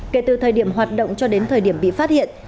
kể từ thời điểm hoạt động cho đến thời điểm bị phát hiện